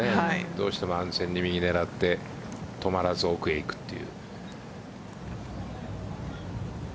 どうしても安全に右狙って止まらず奥へいくという。